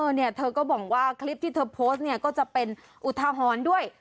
เนี่ยเธอก็บอกว่าคลิปที่เธอโพสต์เนี่ยก็จะเป็นอุทาหรณ์ด้วย